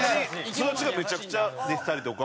育ちがめちゃくちゃ出てたりとか。